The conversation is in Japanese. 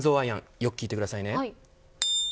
よく聞いてくださいね。